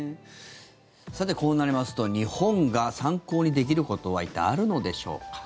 さて、こうなりますと日本が参考にできることは一体、あるのでしょうか。